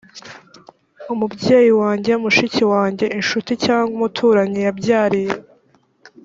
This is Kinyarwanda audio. umubyeyi wanjye mushiki wanjye incuti cg umuturanyi yabyariye